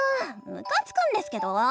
むかつくんですけど！